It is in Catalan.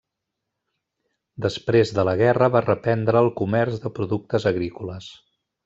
Després de la guerra va reprendre el comerç de productes agrícoles.